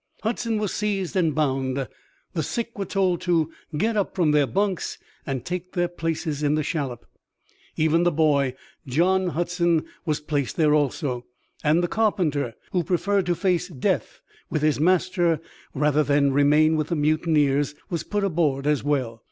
Hudson was seized and bound; the sick were told to get up from their bunks and take their places in the shallop. Even the boy, John Hudson, was placed there also, and the carpenter, who preferred to face death with his master rather than remain with the mutineers, was put aboard as well.